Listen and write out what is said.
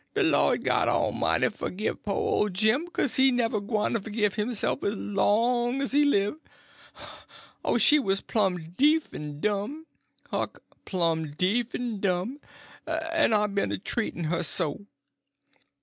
De Lord God Amighty fogive po' ole Jim, kaze he never gwyne to fogive hisself as long's he live!' Oh, she was plumb deef en dumb, Huck, plumb deef en dumb—en I'd ben a treat'n her so!"